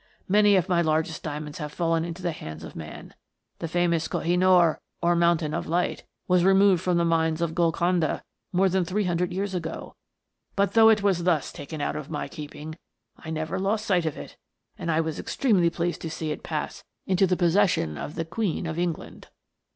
Many of my largest diamonds have fallen into the hands of man. The famous Koh i noor, or Mountain of Light, was removed from the mines of Golconda more than three hun dred years ago ; but, though it was thus taken out of my keeping, I never lost sight of it, and I was exti'emely pleased to see it pass into the possession of the Queen of England.